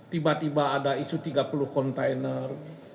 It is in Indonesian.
tiba tiba ada isu tiga puluh kontainer